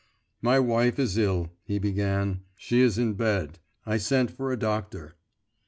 'My wife is ill,' he began; 'she is in bed; I sent for a doctor.